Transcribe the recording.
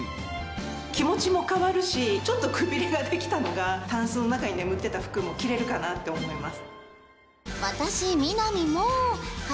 気持ちも変わるしちょっとくびれができたのがたんすの中に眠ってた服も着れるかなって思います。